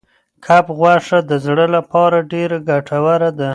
کب غوښه د زړه لپاره ډېره ګټوره ده.